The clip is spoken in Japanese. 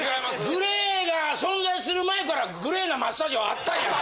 ＧＬＡＹが存在する前からグレーなマッサージはあったんや。